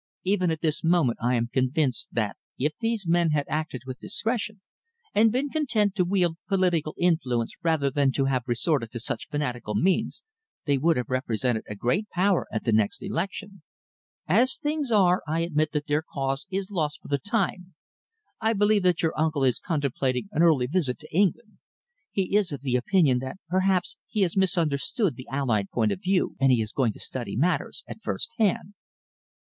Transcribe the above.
Even at this moment I am convinced that if these men had acted with discretion, and been content to wield political influence rather than to have resorted to such fanatical means, they would have represented a great power at the next election. As things are, I admit that their cause is lost for the time. I believe that your uncle is contemplating an early visit to England. He is of the opinion that perhaps he has misunderstood the Allied point of view, and he is going to study matters at first hand."